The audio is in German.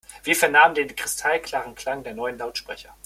Wir vernahmen den kristallklaren Klang der neuen Lautsprecher.